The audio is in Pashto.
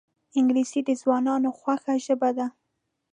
انګلیسي د ځوانانو خوښه ژبه ده